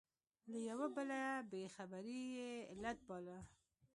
له یوه بله بې خبري یې علت باله.